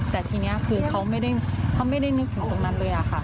แต่ทีนี้คือเขาไม่ได้นึกถึงตรงนั้นเลยค่ะ